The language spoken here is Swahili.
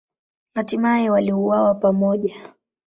Hatimaye waliuawa pamoja.